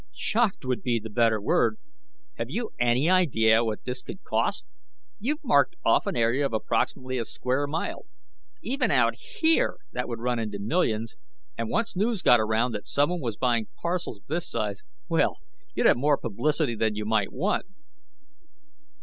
"Shocked, would be the better word. Have you any idea what this could cost? You've marked off an area of approximately a square mile. Even out here that would run into millions. And once news got around that someone was buying parcels of this size well, you'd have more publicity than you might want."